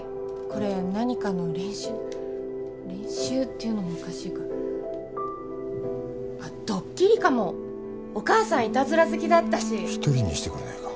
これ何かの練習練習っていうのもおかしいかあっドッキリかもお母さんいたずら好きだったし一人にしてくれないか